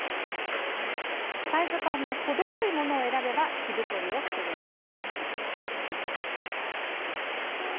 サイズ感も程よいものを選べば着太りを防げます。